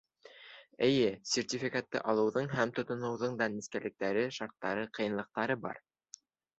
Эйе, сертификатты алыуҙың һәм тотоноуҙың үҙ нескәлектәре, шарттары, ҡыйынлыҡтары бар.